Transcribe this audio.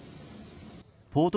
ポート